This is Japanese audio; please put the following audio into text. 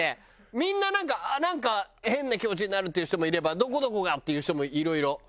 みんななんかなんか「変な気持ちになる」っていう人もいれば「どこどこが」っていう人もいろいろ。